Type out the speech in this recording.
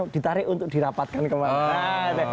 ditarik untuk dirapatkan kemarin